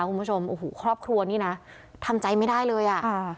คุณผู้ชมโอ้โหครอบครัวนี่นะทำใจไม่ได้เลยอ่ะ